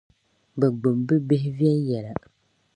bɛ gbibi bɛ bihi viɛnyɛla.